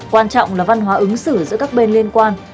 quan trọng là văn hóa ứng xử giữa các bên liên quan